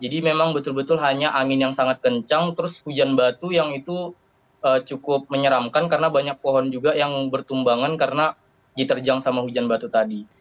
jadi memang betul betul hanya angin yang sangat kencang terus hujan batu yang itu cukup menyeramkan karena banyak pohon juga yang bertumbangan karena diterjang sama hujan batu tadi